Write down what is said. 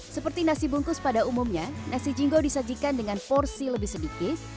seperti nasi bungkus pada umumnya nasi jingo disajikan dengan porsi lebih sedikit